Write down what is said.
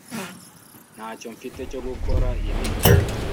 ntacyo mfite cyo gukora ibi